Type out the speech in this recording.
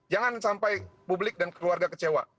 jangan sampai publik dan keluarga kecewa